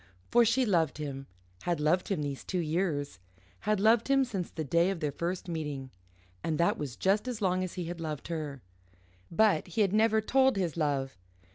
For she loved him, had loved him these two years, had loved him since the day of their first meeting. And that was just as long as he had loved her. But he had never told his love.